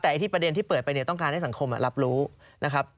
แต่ไอ้ที่ประเด็นที่เปิดไปเนี่ยต้องการให้สังคมรับรู้นะครับ